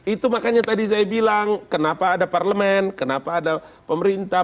itu makanya tadi saya bilang kenapa ada parlemen kenapa ada pemerintah